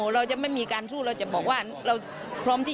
เราจะไปอยู่กับเขาแบบไปทุกที่